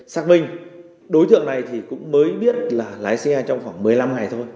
xác minh đối tượng này thì cũng mới biết là lái xe trong khoảng một mươi năm ngày thôi